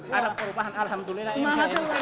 harap perupahan alhamdulillah